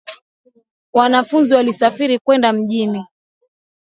Wanafunzi walisafiri kwenda mjini.